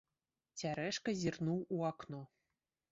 Цярэшка зірнуў у акно.